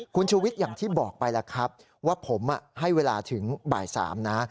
คุณชูวิทย์อย่างที่บอกไปแล้วครับว่าผมให้เวลาถึงบ่าย๓นะ